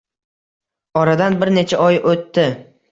Oradan bir necha oy o`tdi